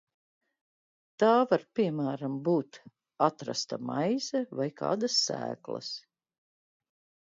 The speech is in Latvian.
Tā var, piemēram, būt atrasta maize vai kādas sēklas.